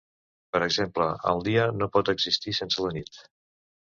Per exemple, el dia no pot existir sense la nit.